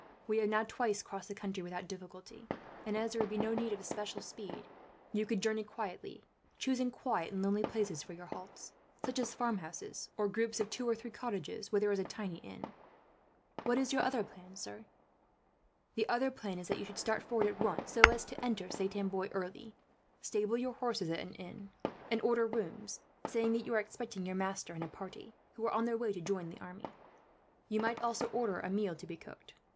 We have now twice crossed the country without difficulty and, as there would be no need of especial speed, you could journey quietly; choosing quiet and lonely places for your halts, such as farmhouses, or groups of two or three cottages where there is a tiny inn." "What is your other plan, sir?" "The other plan is that you should start forward at once, so as to enter Saint Amboise early. Stable your horse at an inn; and order rooms, saying that you are expecting your master and a party, who are on their way to join the army. You might also order a meal to be cooked.